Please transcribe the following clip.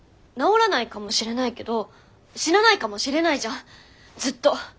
治らないかもしれないけど死なないかもしれないじゃんずっと。